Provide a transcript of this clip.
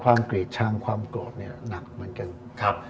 ความกรีดช่างความโกรธนี่หนักเหมือนกัน